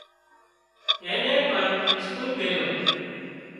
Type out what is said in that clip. اين نين پڻ اسڪول ميليو